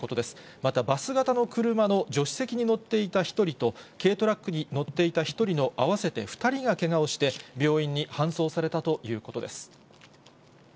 また、バス型の車の助手席に乗っていた１人と、軽トラックに乗っていた１人の合わせて２人がけがをして、病院に搬送されたということです。